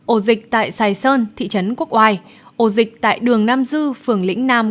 ổ dịch tại sài sơn thị trấn quốc oai ổ dịch tại đường nam dư phường lĩnh nam